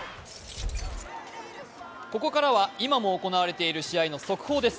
ここからは今も行われている試合の速報です。